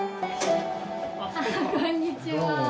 こんにちは。